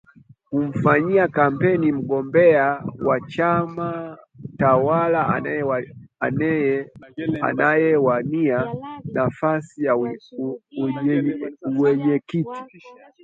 kumfanyia kampeni mgombea wa chama tawala anayewania nafasi ya uenyekiti